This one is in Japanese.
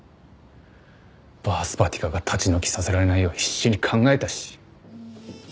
ＢＡＲＳｐｈａｔｉｋａが立ち退きさせられないよう必死に考えたし。